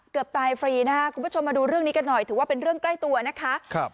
เกือบตายฟรีนะคะคุณผู้ชมมาดูเรื่องนี้กันหน่อยถือว่าเป็นเรื่องใกล้ตัวนะคะครับ